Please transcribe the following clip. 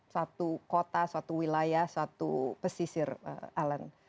suatu kota suatu wilayah suatu pesisir alan